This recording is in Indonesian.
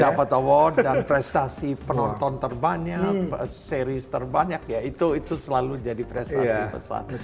dapat award dan prestasi penonton terbanyak series terbanyak ya itu selalu jadi prestasi besar